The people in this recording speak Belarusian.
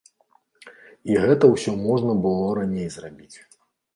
І гэта ўсё можна было раней зрабіць.